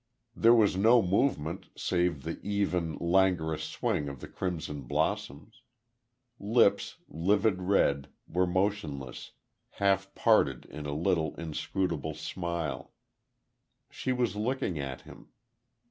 There was no movement, save the even, languorous swing of the crimson blossoms. Lips, vivid red, were motionless, half parted in a little, inscrutable smile.... She was looking at him....